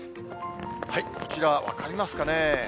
こちら、分かりますかね。